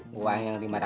tuhan yang eldest